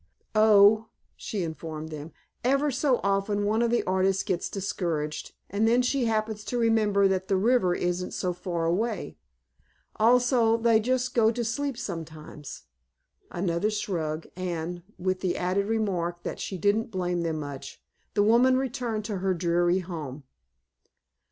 "Oh," she informed them, "ever so often one of the artists gets discouraged, and then she happens to remember that the river isn't so very far away. Also they just go to sleep sometimes." Another shrug, and, with the added remark that she didn't blame them much, the woman returned to her dreary home.